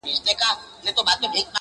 هم په لوبو هم په ټال کي پهلوانه!.